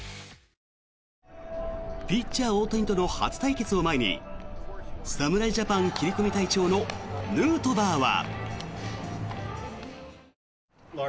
ピッチャー・大谷との初対決を前に侍ジャパン切り込み隊長のヌートバーは。